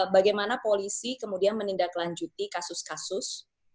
bagaimana polisi kemudian menindaklanjuti kasus kasus